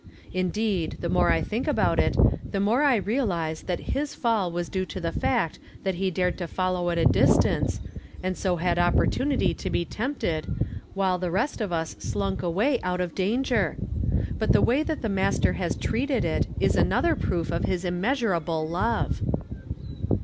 Indeed, the more I think about it, the more I realize that hi3 fall was due to the fact that he dared to follow at a distance, and so had opportunity to be tempted, while the rest of us slunk away out of danger. But the way that the Master has treated it is another proof of his immeasurable love."